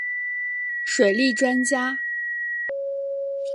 水利专家。